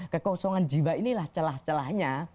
kekosongan jiwa inilah celah celahnya